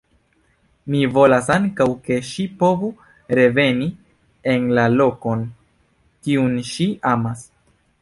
Mi volas ankaŭ, ke ŝi povu reveni en la lokon, kiun ŝi amas.